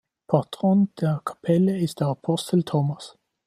Patron der Kapelle ist der Apostel Thomas.